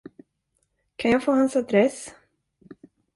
Kan jag få hans adress?